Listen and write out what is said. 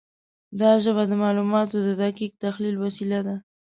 دا ژبه د معلوماتو د دقیق تحلیل وسیله ده.